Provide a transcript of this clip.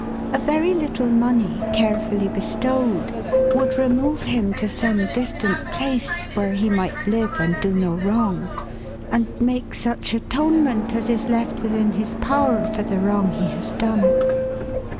A very little money carefully bestowed, would remove him to some distant place, where he might live and do no wrong, and make such atonement as is left within his power for the wrong he has done.